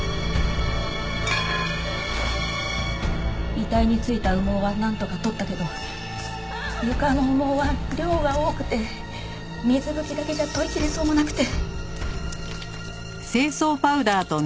遺体に付いた羽毛はなんとか取ったけど床の羽毛は量が多くて水拭きだけじゃ取りきれそうもなくて。